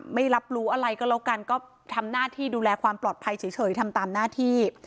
ไม่รับรู้อะไรก็แล้วกันก็ทำหน้าที่ดูแลความปลอดภัยเฉยทำตามหน้าที่